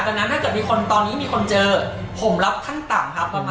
ดังนั้นถ้าเกิดมีคนตอนนี้มีคนเจอผมรับขั้นต่ำครับ